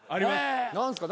何すか？